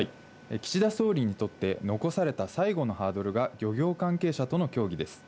岸田総理にとって残された最後のハードルが漁業関係者との協議です。